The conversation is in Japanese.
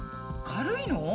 軽いの？